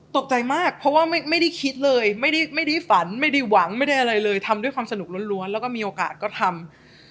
ตกใจมากเพราะว่าไม่ได้คิดเลยไม่ได้ฝันไม่ได้หวังไม่ได้อะไรเลยทำด้วยความสนุกล้วนแล้วก็มีโอกาสก็ทำ